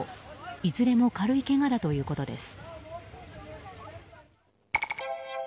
いずれも軽いけがだということです。